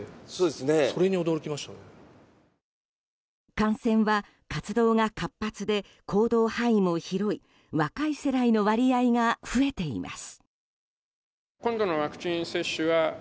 感染は、活動が活発で行動範囲も広い若い世代の割合が増えています。